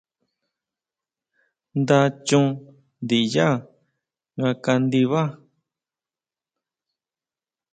Nda chon ndinyá nga kandibá.